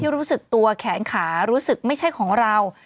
เราแข็งขารู้สึกไม่ใช่ของเรา